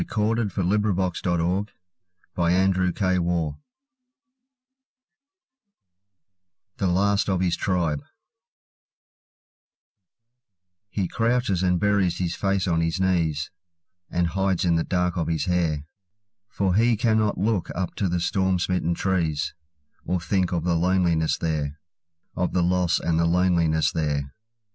1895. Henry Clarence Kendall 1841–82 The Last of His Tribe HE crouches, and buries his face on his knees, And hides in the dark of his hair; For he cannot look up to the storm smitten trees, Or think of the loneliness there—Of the loss and the loneliness there.